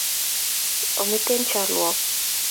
ometen chalwok